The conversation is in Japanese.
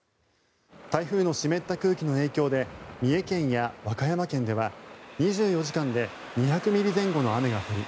台風の湿った空気の影響で三重県や和歌山県では２４時間で２００ミリ前後の雨が降り